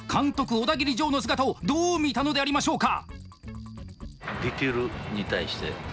オダギリジョーの姿をどう見たのでありましょうか？